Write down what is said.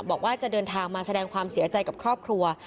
บอกว่าจะเดินทางมาแสดงความเสียใจกับครอบครัว